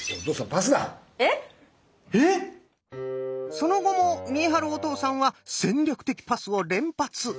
その後も見栄晴お父さんは戦略的パスを連発！